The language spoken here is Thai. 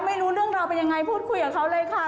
ไม่รู้เรื่องราวเป็นยังไงพูดคุยกับเขาเลยค่ะ